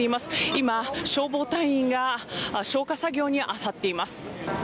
今、消防隊員が消火作業に当たっています。